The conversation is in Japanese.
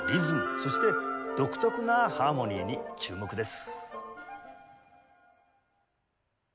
そして独特なハーモニーに注目です。